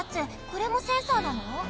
これもセンサーなの？